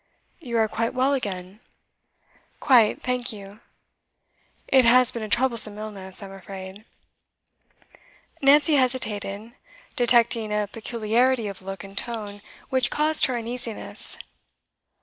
'You are quite well again?' 'Quite, thank you.' 'It has been a troublesome illness, I'm afraid.' Nancy hesitated, detecting a peculiarity of look and tone which caused her uneasiness.